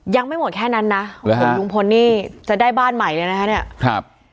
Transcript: ยังไม่หมดแค่นั้นนะลุงพลนี่จะได้บ้านใหม่เลยครับ